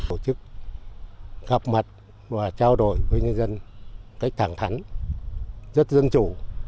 tổ chức gặp mặt và trao đổi với nhân dân cách thẳng thắn rất dân chủ